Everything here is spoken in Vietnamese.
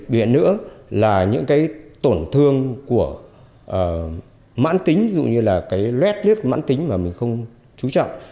viện nữa là những cái tổn thương của mãn tính dù như là cái lết nước mãn tính mà mình không chú trọng